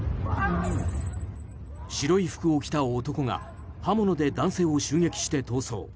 白い服を着た男が刃物で男性を襲撃して逃走。